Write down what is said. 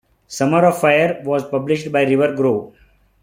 "Summer of Fire" was published by River Grove.